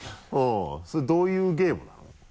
それでどういうゲームなの？